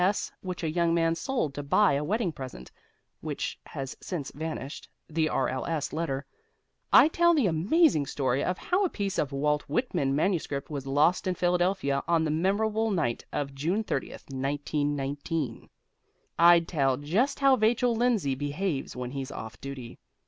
S. which a young man sold to buy a wedding present, which has since vanished (the R.L.S. letter). I'd tell the amazing story of how a piece of Walt Whitman manuscript was lost in Philadelphia on the memorable night of June 30, 1919. I'd tell just how Vachel Lindsay behaves when he's off duty.